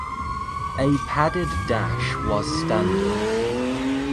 A padded dash was standard.